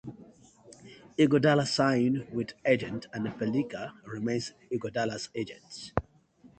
Iguodala signed with the agent, and Pelinka remains Iguodala's agent.